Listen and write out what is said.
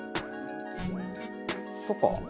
そっか。